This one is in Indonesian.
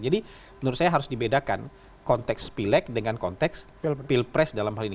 jadi menurut saya harus dibedakan konteks pileg dengan konteks spill press dalam hal ini